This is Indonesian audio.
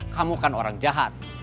kamu kan orang jahat